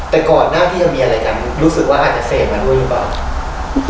แต่ก่อนหน้าที่จะมีอะไรกันรู้สึกว่าอาจจะเสพมาด้วยหรือเปล่า